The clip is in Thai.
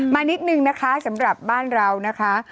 มานิดนึงนะคะสำหรับบ้านเรานะคะ